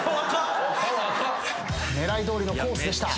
狙いどおりのコースでした。